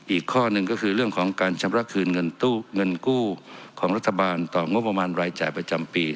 อีกข้อหนึ่งก็คือเรื่องของการชำระคืนเงินกู้ของรัฐบาลต่องบประมาณรายจ่ายประจำปี